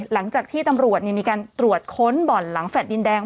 หลังจากที่ตำรวจมีการตรวจค้นบ่อนหลังแฟลต์ดินแดง